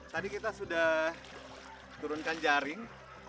tadi kita sudah turunkan jaring